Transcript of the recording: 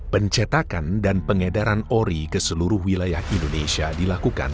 pencetakan dan pengedaran ori ke seluruh indonesia